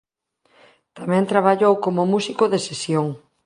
Tamén traballou como músico de sesión.